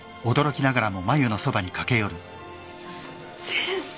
先生。